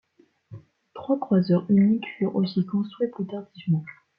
Trois croiseurs uniques furent aussi construits plus tardivement.